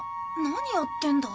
何やってるんだ？